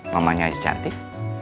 mamanya aja cantik